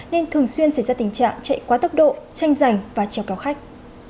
nên thường xuyên xảy ra tình trạng chạy quá tốc độ tranh giành và treo kéo khách